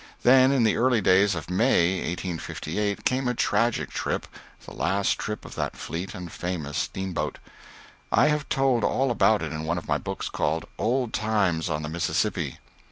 Then in the early days of May, 1858, came a tragic trip the last trip of that fleet and famous steamboat. I have told all about it in one of my books called "Old Times on the Mississippi."